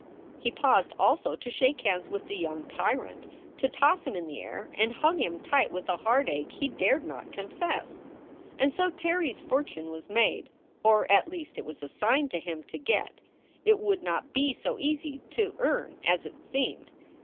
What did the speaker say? He paused also to shake hands with the young tyrant, to toss him in the air and hug him tight with a heartache he dared not confess. And so Terry s fortune was made. Or, at least, it was assigned to him to get. It would not be so easy to earn as it seemed.